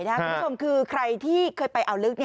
คุณผู้ชมคือใครที่เคยไปอ่าวลึก